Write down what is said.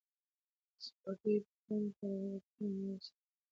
د سپورتي بوټانو کارول د پښو او ملا د سلامتیا لپاره اړین دي.